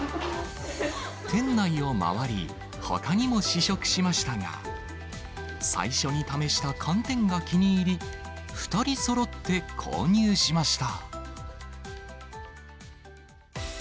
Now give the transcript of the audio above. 店内を回り、ほかにも試食しましたが、最初に試した寒天が気に入り、２人そろって購入しました。